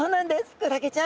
クラゲちゃん。